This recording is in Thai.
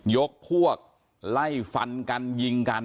ยกพวกไล่ฟันกันยิงกัน